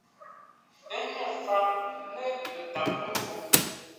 Ə́ ŋə́ faʼ lə̂ pətǎŋ-məpfuʼ.